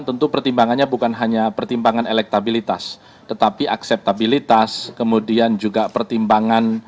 tentu pertimbangannya bukan hanya pertimbangan elektabilitas tetapi akseptabilitas kemudian juga pertimbangan